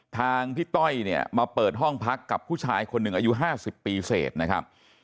ทางพี่ต้อยเนี่ยมาเปิดห้องพักกับผู้ชายคนหนึ่งอายุ๕๐ปีเสร็จนะครับ